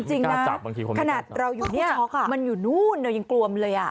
จริงนะขนาดเราอยู่เนี่ยมันอยู่นู้นเรายังกลัวมันเลย